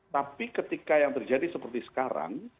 tapi ketika yang terjadi seperti sekarang